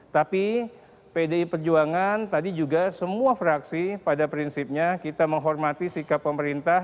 tapi pdi perjuangan tadi juga semua fraksi pada prinsipnya kita menghormati sikap pemerintah